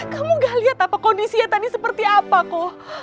kamu nggak lihat apa kondisinya tadi seperti apa ko